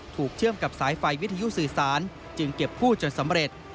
เชื่อมกับสายไฟวิทยุสื่อสารจึงเก็บกู้จนสำเร็จ